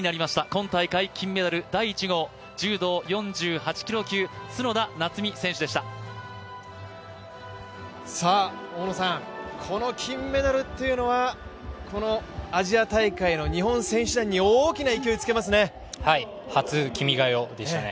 今大会金メダル第１号、柔道４８キロ級、角田夏実選手でした大野さん、この金メダルはアジア大会の日本選手団に初「君が代」でしたね。